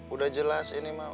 udah jelas ini mah